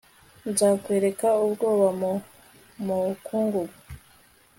Nzakwereka ubwoba mu mukungugu